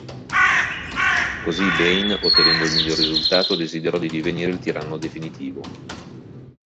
Così Bane, ottenendo il miglior risultato desiderò di divenire il tiranno definitivo.